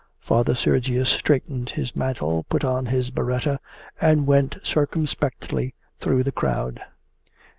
Father Sergius straightened his mantle, put on his biretta, and went circumspectly through the crowd.